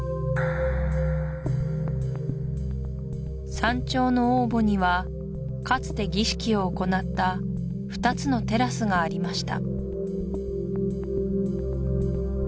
山頂の王墓にはかつて儀式を行った２つのテラスがありました